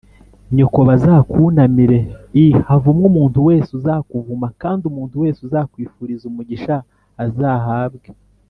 nyoko bazakunamire l Havumwe umuntu wese uzakuvuma kandi umuntu wese uzakwifuriza umugisha azahabwe